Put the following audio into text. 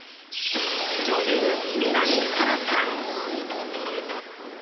女優・南沙良さん。